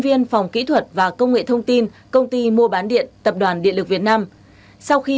viên phòng kỹ thuật và công nghệ thông tin công ty mua bán điện tập đoàn điện lực việt nam sau khi